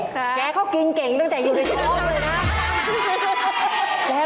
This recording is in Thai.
แกก็กินเก่งตั้งแต่อยู่ในท้องเลยนะ